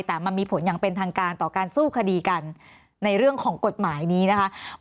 แต่มันมีผลอย่างเป็นทางการต่อการสู้คดีกันในเรื่องของกฎหมายนี้นะคะ